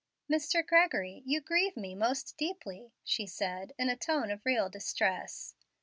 "Mr. Gregory, you grieve me most deeply," she said, in a tone of real distress.